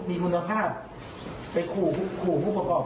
นี่คือเงินของเด็กนะครับ